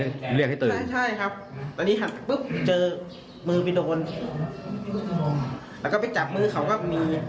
ถ้าไปไหนอะไรไม่ต้องใส่ก็ได้ครับ